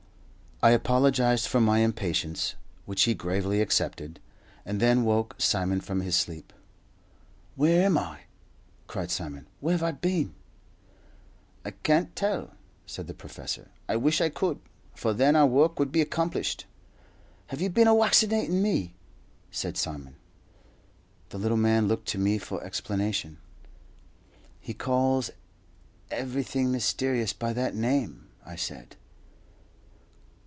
I apologized for my impatience, which he gravely accepted, and then woke Simon from his sleep. "Where am I?" cried Simon. "Where've I been?" "I can't tell," said the professor; "I wish I could, for then our work would be accomplished." "Have you bin a waccinatin' me?" said Simon. The little man looked to me for explanation. "He calls everything mysterious by that name," I said.